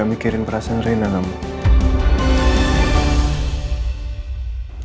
gak mikirin perasaan rena namun